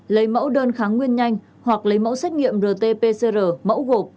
lấy mẫu đơn kháng nguyên nhanh hoặc lấy mẫu xét nghiệm rt pcr mẫu gộp